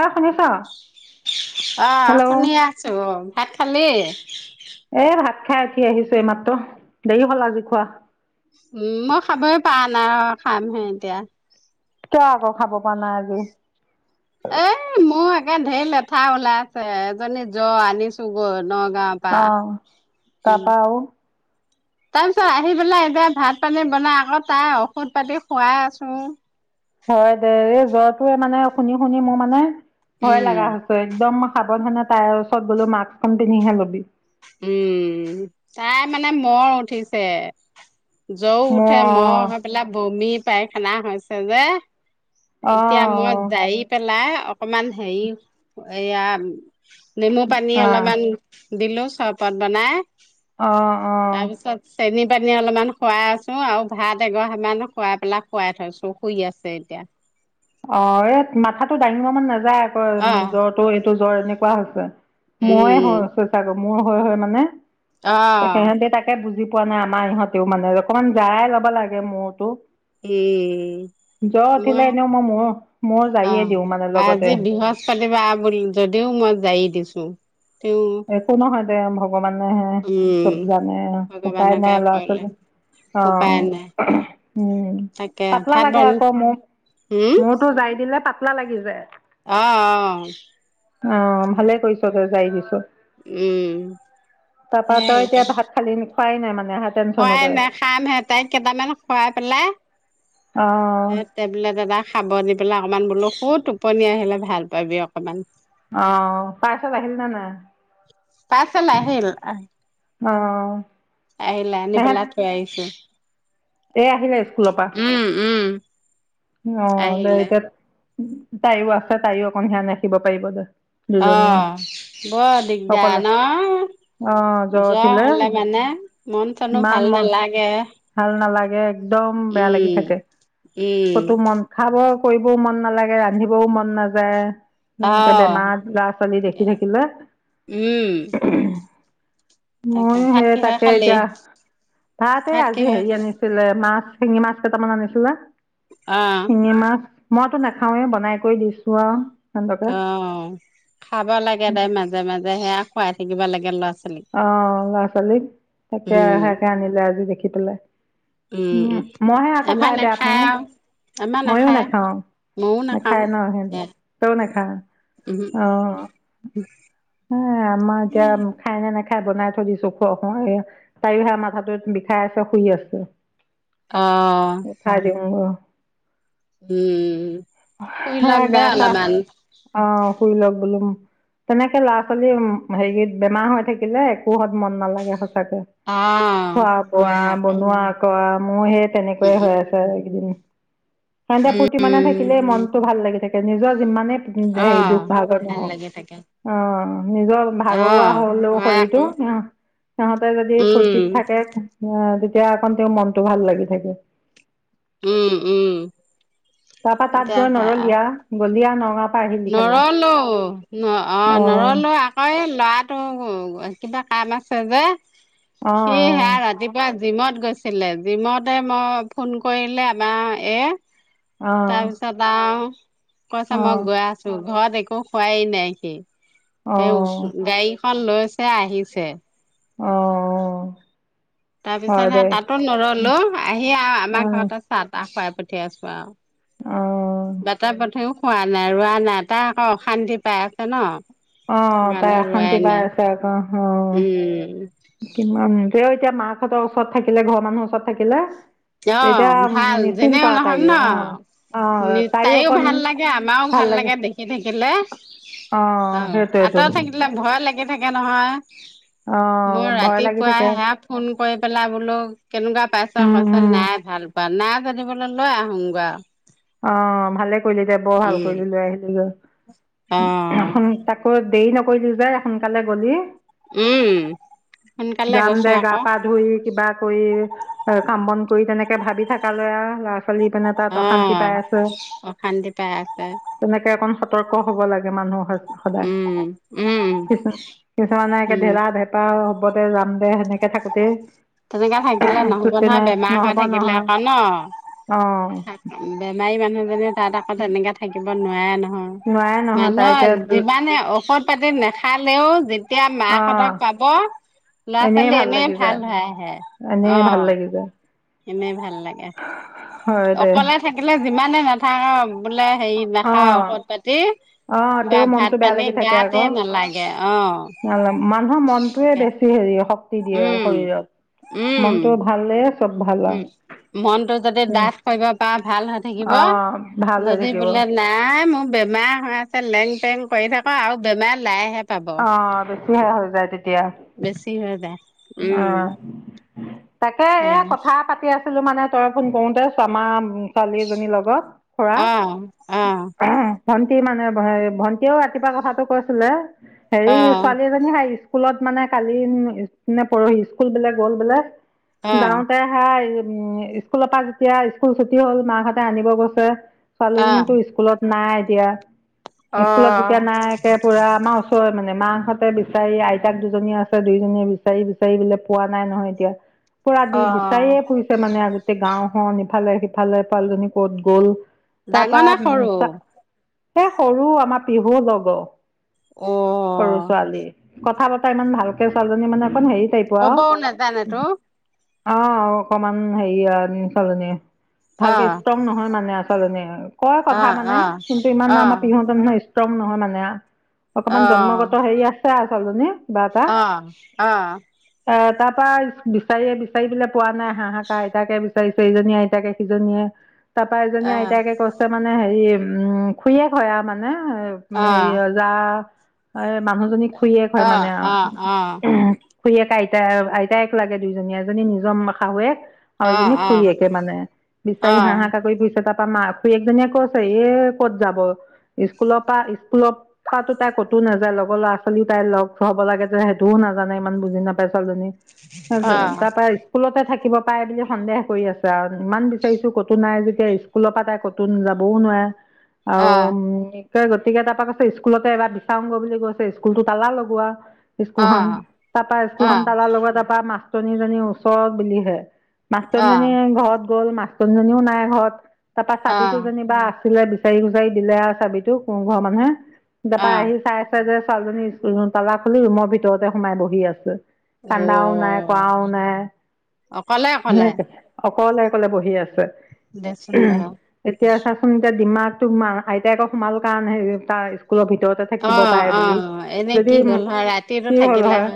অ শুনিছ? অ হেল্ল' শুনিয়েই আছো ভাত খালি? এই ভাত খাই উঠি আহিছো এইমাত্ৰ দেৰি হ'ল আজি খোৱা। উম মই খাবয়ে পৰা নাই আৰু খামহে এতিয়া। কিয় আকৌ খাব পৰা নাই আজি? এ মোৰ একে ধেৰ লেঠা ওলাই আছে এজনী যোৰ আনিছো গৈ নগাঁও পাৰা, অ' উম। তাৰপা [inaudible] তাৰ পিছত আহি পেলাই এতিয়া ভাত, পানী বনাই আকৌ তাই ঔষধ পাতি খুৱাই আছো। হয় দে এই জ্বৰটোৱে মানে শুনি শুনি মোৰ মানে, ভয় উম। লগা হৈছে। ত' একদম মই সাৱধানে তাইৰ ওচৰত গ'লো মাক্কখন পিন্ধিয়ে ল'বি। উম তাই মানে মৰ উঠিছে। জ্বৰ মোৰ উঠে, মহ হৈ পেলাই বমি, পাইখানা হৈছে যে। অ' এতিয়া মই অ' জাৰি পেলাই অকমান হেৰি, এয়া নেমু পানী অ' অলপমান দিলো চৰবত বনাই। অ', অ'। চেনী পানী অলপমান খুৱাই আছো আৰু ভাত অঘৰামানো খুৱাই পেলাই খোৱাই থৈছো, শুই আছে এতিয়া। অ', এই মাথাটো ডাঙিব মান নাযায় আকৌ আহ জ্বৰটো এইটো জ্বৰ এনেকুৱা হৈছে। মইয়ে উম হয় ওচৰ চাগৰ মোৰ হৈ হৈ মানে, আহ সিহঁতে তাকে বুজি পোৱা নাই আমাৰ সিহঁতেও মানে অকমান জায়াই ল'ব লাগে মূৰটো। উম নেনেও মই মোৰো ময়ো জৰীয়ে দিওঁ মানে লগতে। ছোৱালী বা বুলি যদিও মই জাৰি দিছো, তেওঁ একো নহয় দে ভগবানেহে উম চব জানে, উপায় ভগৱানকে নাই ল'ৰা, কৰিলে ছোৱালী। উপায় অ', নাই উম তাকে পাতলা ভাত লাগে বন আকৌ মৌ। হম মোৰতো জাৰি দিলে পাতলা লাগি যায়। অ অ অ', ভালেই কৰিছ দে, জাৰি দিছ। উ। তাপা তই এতিয়া ভাত খালি নে, খোৱাই নাই মানে ভাত। খুৱাই নাই, খামহে তাইক কেইটামান খুৱাই পেলাই অ'। টেবলেট এটা খাব দি পেলাই অকণমান বোলো শু, টোপনি আহিলে ভাল পাবি অকণমান। অ', পাৰ্চেল আহিল নে নাই? পাৰ্চেল আহিল অ'। আহিলে। আনি পেলাই থৈ আহিছো। এই আহিলে স্কুলৰ পা। উম উম অ', দে আহিলে এতিয়া, তাইও আছে তাইও অকন ধ্যান ৰাখিব পাৰিব দে। দুজনীয়ে অ', ব'ৰ দিগদাৰ অকলে ন। অ জ্বৰ উঠিলে হ'লে মানে, মন চনো ইমান ভাল মন নেলাগে। ভাল নালাগে, একদম বেয়া লাগি থাকে। উম ক'তো মন খাব কৰিব মন নালাগে, ৰন্ধিবও মন নাযায়। উম অ লৈ একে বেমাৰত ল'ৰা-ছোৱালী দেখি থাকিলে উম তাকে ময়ো ভাত সে কিহে তাকে খালি এতিয়া, তাতে ভাত আজি কিহে হেৰি খালি আনিছ ছিলে মাছ, শিঙি মাছ কেইটামান আনিছিলে। অ'। শিঙি মাছ, মইতো নাখাওঁয়ে বনাই কৰি দিছো আৰু। সিহঁতকে অ', খাব লাগে দে মাজে মাজে সেয়া খুৱাই থাকিব লাগে ল'ৰা ছোৱালীক। অ', ল'ৰা-ছোৱালীক, তাকে উম, সেয়াকে আনিলে আজি দেখি পেলাই। উ, উম উ, মইহে আকৌ আমাৰ খাই বেয়া নাখাই পাওঁ আৰু। আমাৰ ময়ো নাখায়, নাখাওঁ ময়ো নাখায় নাখাওঁ। ন সিহঁতি তইও নাখা [unintelligible] উহু, উ। সেয়া, আমা এতিয়া খাই নে নেখাই বনাই থৈ দিছো। [unintelligible] তায়ো সেয়া মাথাটো বিষাই আছে শুই আছে। অ'। উঠাই দিওঁগ। উম। শুই হে লক দে গা চা অলমান। অ', শুই লক বোলো, তেনেকে ল'ৰা-ছোৱালী উম, হেৰিত বেমাৰ হৈ থাকিলে একোহঁত মন নালাগে সচাঁকে। অ', খোৱা হয় বোৱা আকৌ, বনোৱাত। কৰা মোৰো সে তেনেকৈয়ে হৈ উম, আছে এইকেইদিন। সেতে ফূৰ্তি মনে উম, থাকিলেই মন টো ভাল লাগি থাকে, নিজৰ যিমানে হেৰি দুখ অ'। ভাগৰ ভাল নহওঁক। লাগি থাকে, অ', নিজৰ ভাগ ৰুৱা অ', হ'লেও হয় শৰীৰতো, আকৌ, অ'। সিহঁতে যদি উম, ফূুৰ্তিত থাকে অ', তেতিয়া একন তেওঁ মনতটো ভাল লাগি থাকে। উ, উ। তাৰ পা তাত গৈ নৰলীয়া, গলিয়া নগাঁও নৰলো ন অ', নৰলো আ অ', এই ল'ৰাটো কিবা কাম আছে যে, অ অ সি সেয়া ৰাতি পুৱা জিমত গৈছিলে। জিমতে মই ফোন কৰিলে আমাৰ এই। তাৰপিছত আৰু কৈছে মই গৈ আছো। ঘৰত একো খোৱাই নাই সি। অ সেই ওচ, অ গাড়ীখন লৈছে আহিছে। অঁ। তাৰ পিছত সে তাতো নৰলো, আহি আৰু অ আমাৰ ঘৰত আ চাহ তাহ খুৱাই পঠিইয়াছো আও। অ বাতে পথেও খোৱা নাই, ৰোৱা নাই তাই আকৌ অশান্তি পাই আছে ন। অ তাই সেইকাৰণে অশান্তি ৰোৱাই পাই নাই আছে আকৌ অ উম। কিমান তেওঁ এতিয়া মাক হতৰ ওচৰত থাকিলে ঘৰৰ ওচৰত থাকিলে। অঁ, তেতিয়া ভাল নিশ্চিন্ত যেনেও নহক ন, তাইও অঁ অঁ তাইও অকণ ভাল লাগে আমাও ভাল লাগে দেখি। সি থাকিলে অঁ আঁতৰত থাকিলে ভয় লাগি থাকে নহয়। অঁ মই ভয় লাগি ৰাতিপুৱাই থাকে সেইয়া ফোন কৰি পেলাই বোলো কেনেকুৱা পাইছ কোন তাকে দিবলৈ লৈ আহোংগৈ আও। অঁ, ভালে কৰিলি এ দে বৰ ভাল কৰিলি লৈ আহিলি অ', গৈ, তাকো ত দেৰি নকৰিলি যে সোনকালে গলি। উম, সোনকালে যাম গৈছো দে গা আকৌ পা ধুই কিবা কৰি আৰু কাম বন কৰি তেনেকে ভাবি থাকা যায় আৰু ল'ৰা ছোৱালী পিনে তাত অশা অঁ, অশান্তি পাই আছে। তেনেকে অকণ সতৰ্ক হব লাগে মানুহ উম, উম, সদায় কিছু মানে উম। ধেৰা ভেঁপা হ'ব দে যাম দে সেনেকে থাকোতেই তেনেকা থাকিলে নহব তেনে নহয়, বেমাৰ হৈ নহ'ব থাকিলে নহয় আকৌ ন। অঁ বেমাৰী মানুহজনী তাত আকৌ তেনেকে থাকিব নোৱাৰে নহয়। নোৱাৰে নহয় তাই মানুহৰ এতিয়া যিমানে ঔষত পাতি নাখালেও যেতিয়া মাক অঁ হঁতক পাব, ল'ৰা ছোৱালী এনেই ভাল হয়। এ এনেই ভাল অঁ লাগি যায় এনেই ভাল লাগে। হয় দে অকলে থাকিলে যিমানে নাথাক বোলে হেৰি নাখাও অঁ ঔষধ পাতি। অঁ বা তেঁও ভাত মনতটো বেয়া পানী লাগি থাকে গাতে আকৌ, নালাগে অ', ন মানুহৰ মনটোয়ে তাকে বে হেৰি শক্তি দিয়ে আৰু উম, শৰীৰত, উম, মনটো ভালে চব ভাল বাৰু। মনতটো যদি ডাঠ কৰিব পাৰ ভাল হৈ থাকিব অঁ ভাল হৈ যদি থাকিব বোলে নাই মোৰ বেমাৰ হৈ আছে লেং পেং কৰি থাক, আৰু বেমাৰ লাইহে পাব। অঁ বেছিহে হৈ যায় তেতিয়া। বেছি হৈ যায়। অঁ উম তাকে এয়া কথা পাতি আ ছিলো মানে তই ফোন কৰোতে চমা ছোৱালী এজনীৰ লগত। খুৰা অ অ ভন্টি মানে ভন্টীয়েয়ো ৰাতিপুৱা কথাতটো কৈছিলে অ হেৰি ছোৱালীজনী স্কুলত মানে কালি নে পৰহি স্কুল বোলে গ'ল বোলে অ যাওঁতে হাই উম স্কুলৰ পৰা যেতিয়া স্কুল ছুটি হ'ল মাকহঁতে আনিব গৈছে। অ ছোৱালীজনীতো স্কুলত নাই এতিয়া, অ স্কুলত যেতিয়া নাই একে পুৰা আমাৰ ও চৰ মানে মাহহঁতে বিচাৰি আইতাক দুজনীয়ে আছে দুইজনীয়ে বিচ বিচাৰি বিচাৰি বোলে পোৱা নাই নহয়, এতিয়া পুৰা দি অ বিচাৰিয়ে ফুৰিছে। মানে আগতে গাওঁ খন ইফালে সিফালে পোৱালজনী ক'ত গ'ল? ডাঙৰ তাৰপৰা নে উম সৰু চ সেই সৰু আমাৰ পিহু লগৰ। অ। সৰু ছোৱালী কথা বতা ইমান ভালকে ছোৱালীজনী মানে অকন হেৰী টিপ কোৱা, ক'বও নাজানেতো অঁ অকমান হেৰি আৰু ছোৱালীজনী অ ভালকে ষ্ট্ৰং নহয় মানে আৰু ছোৱালী কয় অ কথা মানে অ কিন্তু ইমান অ আমাৰ পিহুহতে নিচিনা ষ্ট্ৰং নহয় মানে অকমান জন্মগত হেৰি আছে আৰু ছোৱালীজনী। কিবা এটা অঁ অঁ। এ তাৰ পৰা বিচাৰিয়ে বিচাৰি বোলে পোৱা নাই হাঁহাকাহ আইতাকে বিচাৰিছে এইজনীয়ে আইতাকে সিজনীয়ে। তাৰপা এজনীয়ে আইতাকে কৈছে মানে হেৰি উম খুুৰীয়ে হয় আৰু মানে হেৰি অ যা এ মানুহজনী খুৰীয়েক অ অ হয় অ মানে আৰু। [unintelligible] খুৰীয়েক আইতা আইতাইক লাগে দুজনী এজনী নিজৰ শাহুৱেক। আৰু এজনী খুৰীয়েকে মানে অ অ অ বিচাৰি হাঁহাকাৰ কৰি ফুৰিছে তাত তাৰপা মাক খুৰীয়েকজনীয়ে কৈছে এ ক'ত যাব স্কুলৰ পৰা স্কুলত খোৱাতো তাই ক'তও নাযায় লগৰ ল'ৰা-ছোৱালীও তাই লগ হ'ব লাগে যে সেইটোও নাজানে। ইমান বুজি নাপাই ছোৱালীজনী সেই তাৰ পৰা স্কুলতে থাকিব পাৰে বুলি সন্দেহ কৰি আছে আৰু ইমান বিচাৰিছোঁ ক'তো নাই যেতিয়া স্কুলৰ পৰাই তাই কতো যাবও নোৱাৰে অ আৰু উম [unintelligible] গতিকে তাৰপৰা কৈছে স্কুলতে এবাৰ বিচাৰোঁং গৈ বুলি কৈছে স্কুলতো তালা লগোৱা স্কুলখন। অ তাৰপা অ স্কুলখন তালা লগোৱা তাৰপা মাষ্টৰনীজনীৰ ওচৰৰ বুলিহে। মাষ্টৰনীজনী আহ ঘৰত গ'ল মাষ্টৰনীজনীও নাই ঘৰত তাৰ পৰা চাবিতো আহ যেনিবা আছিলে বিচাৰি গুচাৰি দিলে আৰু চাবিটো ঘৰৰ মানুহে। তাৰপৰা আহ আহি চাই চাইছে যে ছোৱালীজনী স্কুলখন তালা খুলি ৰুমৰ ভিতৰতে সোমাই বহি আছে। অ কান্দাও নাই, কোৱাও নাই। অকলে অক [unintelligible] অকলে-অকলে বহি আছে। দে চোন বা এতিয়া চাচোন এতিয়া দিমাগটো আইতাক সোমাল কাৰণেহে তাৰ স্কুলৰ ভিতৰতে অ থাকিব পাৰে অ বুলি এনে কি যদি হ'ল হয় ৰাতিটো কি হ'ল থাকিলে হয়।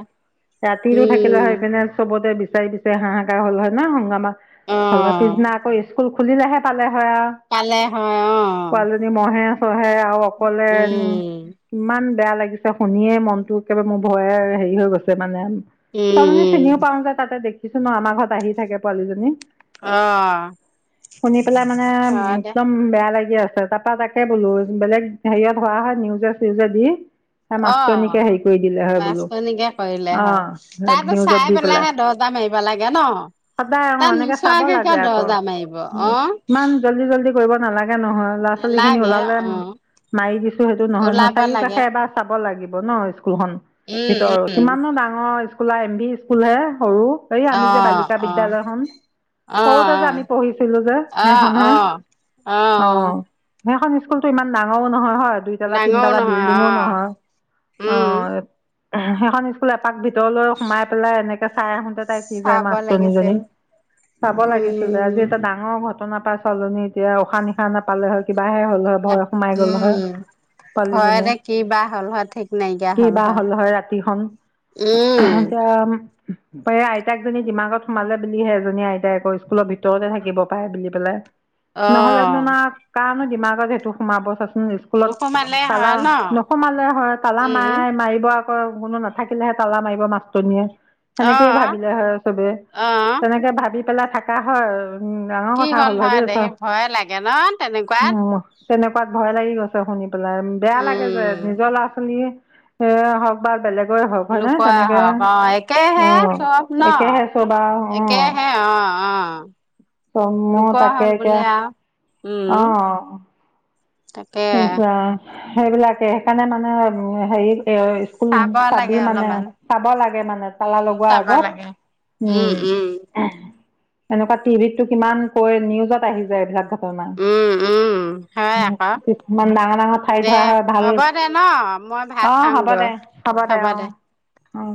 ৰাতিটো থাকিলে হয় উম ইপিনে চবতে বিচাৰি বিচ হাঁহাকাৰ হ'ল হয় ন সংগ্ৰামা অ হ'ল হয় পিছদিনা আকৌ স্কুল খুলিলেহে পালে হয় আৰু। পালে হয় অ পোৱালজনীক মহে-চহে আৰু অকলে উম। ইমান বেয়া লাগিছে শুনিয়ে মনটো একেবাৰে মোৰ ভয়ে হেৰি হৈ গৈছে মানে। উম ছোৱালীজনী চিনিও উম পাওঁ যে তাতে দেখিছোঁ ন আমাৰ ঘৰত আহি থাকে পোৱালীজনী। অ শুনি পেলাই মানে অ দে একদম বেয়া লাগি আছে তাত তাৰপৰা তাকে বোলো বেলেগ হেৰিয়ত হোৱা হয় নিউজে-চিউজে দি সেই অঁ মাষ্টৰনীকে হেৰি কৰি দিলে হয় বোলো মাষ্টৰনীকে কৰিলে অঁ হয়। তাইটো নিউজত চাই দি পেলাই পেলাইহে দজা দৰ্জা মাৰিব লাগে ন সদায় অঁ তাই এনেকৈ চাব নোচোৱাকে কিয় দৰ্জা মাৰিব অঁ। জল্দি-জল্দি কৰিব নালাগে নহয়। ল'ৰা-ছোৱালীখিনি নালাগে ওলালে অ মাৰি দিছো সেইটো নহয়-নহয় ওলাব লাগে চাৰিওকাষে এবাৰ চাব লাগিব ন' স্কুলখন উম উম ভিতৰত। কিমানো ডাঙৰ খোলা এম ভি স্কুলহে সৰু। এই অ আমি যে বালিকা অ বিদ্যালয়খন। সৰুতে যে আমি অ', পঢ়িছিলোঁ যে অ', সেইখনহে অ', অ', অঁ। সেইখন স্কুলতো ইমান ডাঙৰো নহয় হয় দুই দুইতলা, ডাঙৰো তিনতলা নহয় বিল্ডিও নহয় অ', অঁ। [inaudible] সেইখন স্কুল এপাক ভিতৰলৈ সোমাই পেলাই এনেকে চাই আহোঁতে কি যায় চাব মাষ্টৰনীজনী। লাগিছিল। চাব লাগিছিলে আজি উম, এটা ডাঙ অঁ! ঘটনা পৰা ছোৱালীজনী এতিয়া উশাহ-নিশাহ নাপালে হয় কিবাহে হ'ল ভয় সোমাই গ'ল হয়। উম, ছোৱালীজনী। ভয়তে কি বা হ'ল হয় ঠিক নাইকিয়া কিবা হ'ল হয় ৰাতিখন? উম, [unintelligible] এতিয়া [unintelligible] এই আইতাক জনী ডিমাগত সোমালে বুলিহে এজনী আইতাই আকৌ স্কুলৰ ভিতৰতে থাকিব পাৰে বুলি পেলাই। নহ'লেনো অ', আউ কাৰণো দিমাগত সেইটো সোমাব চাচোন। [unintelligible] নোসোমালে তালা হয় ন? নোসোমালে হয় তালা উম, মাৰাই মাৰিব। [unintelligible] কোনো নাথাকিলেহে তালা মাৰিব মাষ্টৰনিয়ে। সেনেকেইে ভাব- অ', দিলে হয় চবে অ', তেনেকে ভাবি পেলাই থাকা হয় আৰু। উম, ডাঙৰ কি কথা হ'ল হয় দেই চোৱা দেহি ভয়ে লাগে ন তেনেকুৱাত? উম, তেনেকুৱাত ভয় লাগি গৈছে শুনি পেলাই বেয়া লাগে যে উম, নিজৰ ল'ৰা-ছোৱালী এ হ'ক বা বেলেগৰে হওক হয় নে লুকুৱা তেনেকে হওক অ', একেহে উম, চব ন? একেহে চব আৰু অ'। একেহে অ', অ'। তনমৌ লোকৰ হ'ল তাকে এতিয়া বুলি আও উম অ'। তাকে [unintelligible] সেইবিলাকে সেইকাৰণে মানে হেৰি তে অ' স্কুল চাব লাগে চাবি মানে অলপমান চাব লাগে মানে উম তালা লগোৱা চাব আগত। লাগে উম, এনেকুৱা টিভিতটো কিমান কৈ নিউজত আহি যায় বিলাক ঘটনা। উম উম হয় আকৌ কিছুমান ডাঙৰ, ডাঙৰ দে ঠাইত হোৱা হয় ভাল হ'ব দে ন মই ভাত অ' হ'ব খাওঁগৈ দে, হ'ব দে অ। অ',